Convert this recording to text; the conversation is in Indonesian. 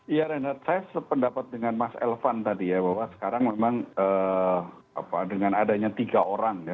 iya renhat saya sependapat dengan mas elvan tadi ya bahwa sekarang memang dengan adanya tiga orang ya